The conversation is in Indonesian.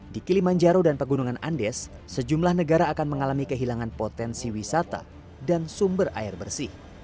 di kilimanjaro dan pegunungan andes sejumlah negara akan mengalami kehilangan potensi wisata dan sumber air bersih